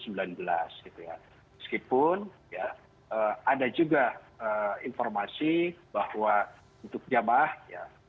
meskipun ada juga informasi bahwa untuk jamaah ya